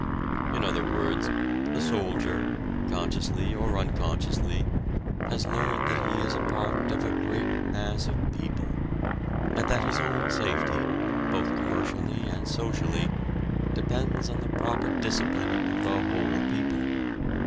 In other words, the soldier, consciously or unconsciously, has learned that he is a part of a great mass of people, and that his own safety, both commercially and socially, depends on the proper disciplining of the whole people.